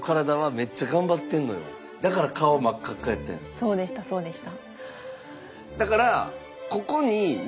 そうでしたそうでした。